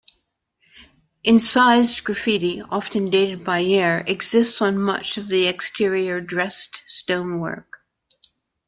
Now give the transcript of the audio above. Incised graffiti, often dated by year, exists on much of the exterior dressed stonework.